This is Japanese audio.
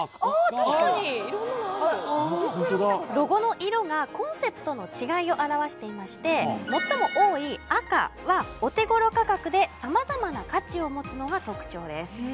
確かにいろんなのあるロゴの色がコンセプトの違いを表していまして最も多い赤はお手頃価格でさまざまな価値をもつのが特徴です